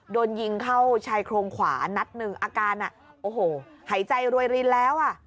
โดนยิงเข้าชายโครงขวานัดหนึ่งอาการอ่ะโอ้โหหายใจรวยรินแล้วอ่ะ